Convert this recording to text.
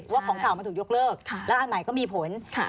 ของเก่ามันถูกยกเลิกแล้วอันใหม่ก็มีผล